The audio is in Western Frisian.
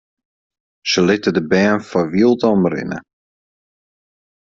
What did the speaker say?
Sy litte de bern foar wyld omrinne.